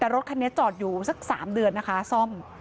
แต่รถคันนี้จอดอยู่สัก๓เดือนนะคะซ่อม